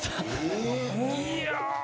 いや。